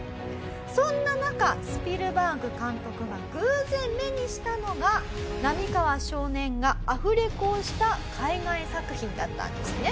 そんな中スピルバーグ監督が偶然目にしたのがナミカワ少年がアフレコをした海外作品だったんですね。